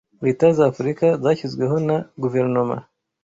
leta za Africa zashyizweho na guverinoma